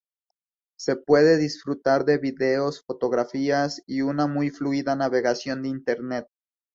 Se puede disfrutar de vídeos, fotografías, y una muy fluida navegación de Internet.